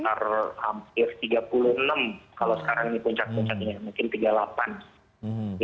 hampir tiga puluh enam kalau sekarang ini puncak puncaknya mungkin tiga puluh delapan